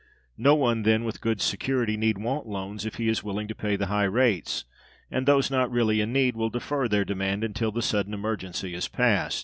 No one, then, with good security, need want loans if he is willing to pay the high rates; and those not really in need will defer their demand until the sudden emergency is past.